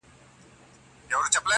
کلي مو وسوځیږي!.